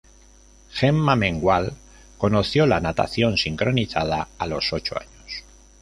Gemma Mengual conoció la natación sincronizada a los ocho años.